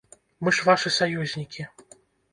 Мы ж вашы саюзнікі.